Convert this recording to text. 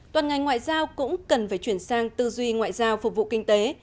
toàn ngành ngoại giao cũng cần phải chuyển sang tư duy ngoại giao phục vụ kinh tế